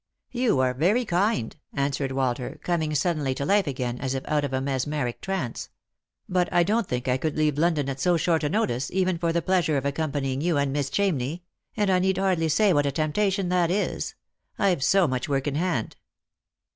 "You are very kind," answered Walter, coming suddenly to life again, as if out of a mesmeric trance ;" but I don't think I could leave London at so short a notice, even for the pleasure of accompanying you and Miss Chamney ; and I need hardly say what a temptation that is. I've so much work in hand."